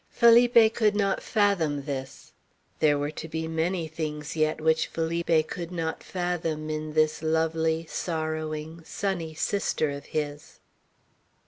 Felipe could not fathom this. There were to be many things yet which Felipe could not fathom in this lovely, sorrowing, sunny sister of his.